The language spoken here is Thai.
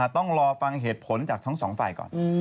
ต้องรอฟังเหตุผลจากทั้งสองฝ่ายก่อน